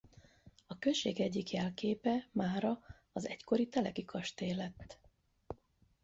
A község egyik jelképe mára az egykori Teleki-kastély lett.